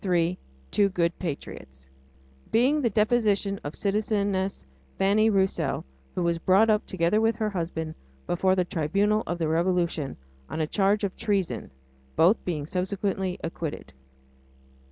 III TWO GOOD PATRIOTS Being the deposition of citizeness Fanny Roussell, who was brought up, together with her husband, before the Tribunal of the Revolution on a charge of treason both being subsequently acquitted.